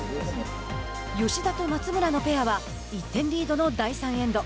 吉田と松村のペアは１点リードの第３エンド。